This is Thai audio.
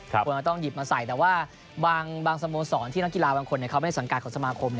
ควรจะต้องหยิบมาใส่แต่ว่าบางสโมสรที่นักกีฬาบางคนเขาไม่ได้สังกัดของสมาคม